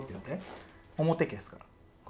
表消すから。